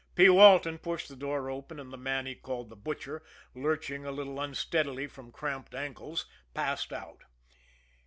P. Walton pushed the door open, and the man he called the Butcher, lurching a little unsteadily from cramped ankles, passed out.